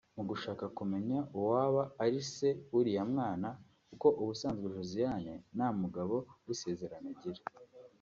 Mu gushaka kumenya uwaba ari ise w’uriya mwana kuko ubusanzwe Josiane nta mugabo w’isezerano agira